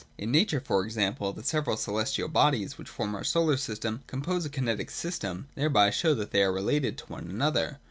In nature, for example, the several celestial bodies, which form our solar system, compose a kinetic system, and thereby show that they are related to one another.